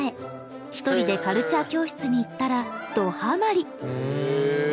ひとりでカルチャー教室に行ったらドはまり！